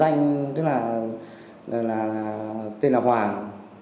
nhận danh tên là hoàng